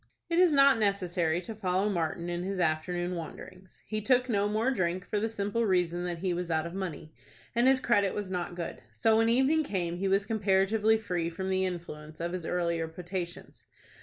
It is not necessary to follow Martin in his afternoon wanderings. He took no more drink, for the simple reason that he was out of money, and his credit was not good; so when evening came he was comparatively free from the influence of his earlier potations.